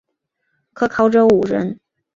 可考者五人。